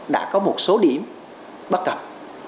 đã có một số điểm bất cập